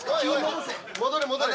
戻れ戻れ。